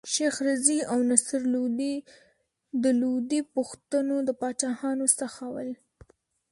شېخ رضي او نصر لودي د لودي پښتنو د پاچاهانو څخه ول.